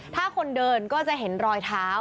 ถ้าคนเดินก็จะเห็นรอยเท้า